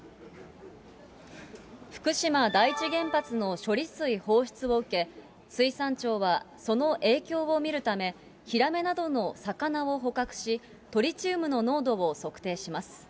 福島第一原発の処理水放出を受け、水産庁はその影響を見るため、ヒラメなどの魚を捕獲し、トリチウムの濃度を測定します。